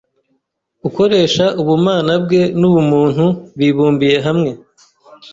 ukoresha ubumana bwe n’ubumuntu bibumbiye hamwe.